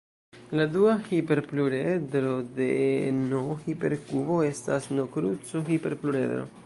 La duala hiperpluredro de "n"-hiperkubo estas "n"-kruco-hiperpluredro.